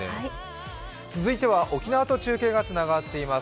続いては沖縄と中継がつながっています。